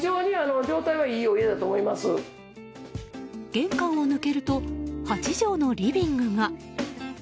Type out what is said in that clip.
玄関を抜けると８畳のリビングが。